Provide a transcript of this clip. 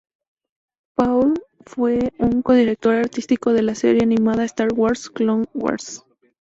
Paul fue un co-director artístico de la serie animada "Star Wars: Clone Wars".